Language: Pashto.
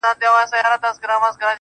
• زوکام يم.